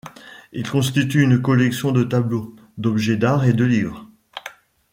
Il constitue une collection de tableaux, d'objets d'art et de livres.